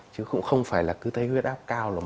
chứ cũng không phải là cứ thấy huyết áp cao là mình